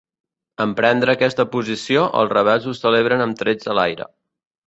En prendre aquesta posició els rebels ho celebraren amb trets a l'aire.